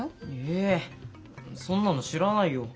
えそんなの知らないよ。